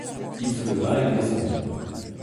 Il se leva, il descendit.